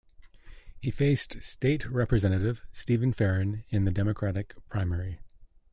He faced State Representative Steven Feren in the Democratic primary.